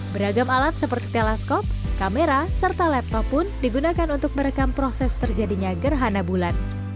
beragam alat seperti teleskop kamera serta laptop pun digunakan untuk merekam proses terjadinya gerhana bulan